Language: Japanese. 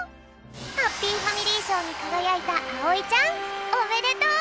ハッピーファミリーしょうにかがやいたあおいちゃんおめでとう！